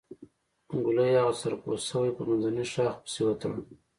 ګوليه اغه سر پوشوې په منځني شاخ پسې وتړه.